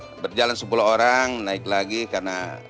sudah berjalan sepuluh orang naik lagi karena